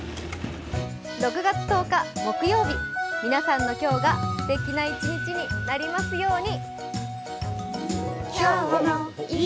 ６月１日木曜日皆さんの今日がすてきな一日になりますように。